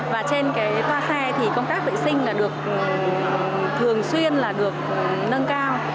và trên toa xe công tác vệ sinh thường xuyên được nâng cao